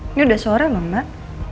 ini udah suara loh mbak